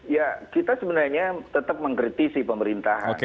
ya kita sebenarnya tetap mengkritisi pemerintahan